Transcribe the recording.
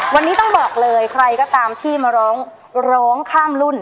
วันนี้ต้องบอกเลยใครก็ตามที่มาร้องร้องข้ามรุ่น